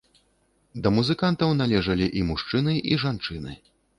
Да музыкантаў належылі і мужчыны і жанчыны.